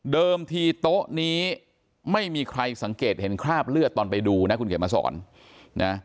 ทีโต๊ะนี้ไม่มีใครสังเกตเห็นคราบเลือดตอนไปดูนะคุณเขียนมาสอนนะ